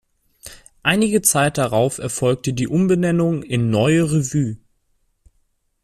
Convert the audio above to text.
Einige Zeit darauf erfolgte die Umbenennung in "Neue Revue".